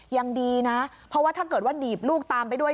ยังดีนะเพราะว่าถ้าเกิดว่าหนีบลูกตามไปด้วย